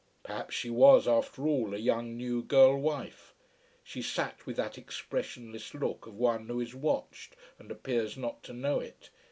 Perhaps, she was after all a young, new girl wife. She sat with that expressionless look of one who is watched and who appears not to know it.